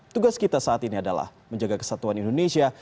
tugas kita saat ini adalah menjaga kesatuan indonesia